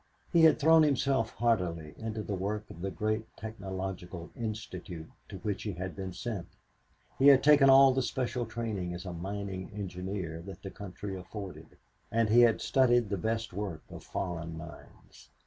He had thrown himself heartily into the work of the great technological institute to which he had been sent. He had taken all of the special training as a mining engineer that the country afforded, and he had studied the best work of foreign mines.